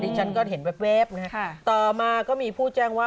ฉันก็เห็นแว๊บนะฮะต่อมาก็มีผู้แจ้งว่า